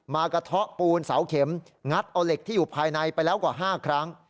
กระเทาะปูนเสาเข็มงัดเอาเหล็กที่อยู่ภายในไปแล้วกว่า๕ครั้ง